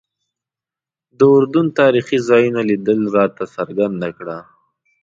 د اردن تاریخي ځایونو لیدلو راته څرګنده کړه.